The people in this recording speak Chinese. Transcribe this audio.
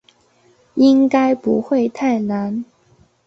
应该不会太难